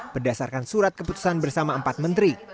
berdasarkan surat keputusan bersama empat menteri